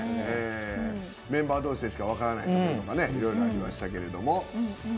メンバー同士でしか分からないことがいろいろありましたけれども。